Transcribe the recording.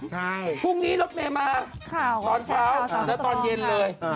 ใช่คุณพรุ่งนี้ลดเตรียมาตอนเช้าเช้าตอนเย็นเลย